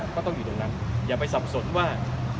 ก็ต้องอยู่ตรงนั้นอย่าไปสับสนว่า